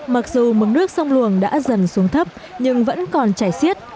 mặc dù mức nước sông luồng đã dần xuống thấp nhưng vẫn còn chảy xiết